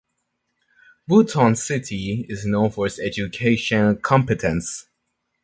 Butuan City is known for its education competence.